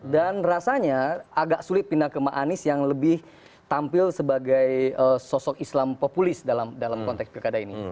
dan rasanya agak sulit pindah ke mak anies yang lebih tampil sebagai sosok islam populis dalam konteks perkadaan ini